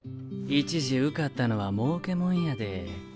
１次受かったのはもうけもんやで。